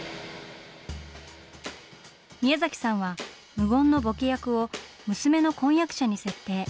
宮崎さんは無言のボケ役を娘の婚約者に設定。